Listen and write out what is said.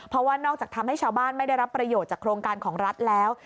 เพราะว่านอกจากทำให้ชาวบ้านไม่ได้รับประโยชน์จากโครงการของรัฐแล้ว